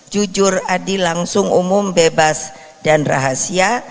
jujur adil langsung umum bebas dan rahasia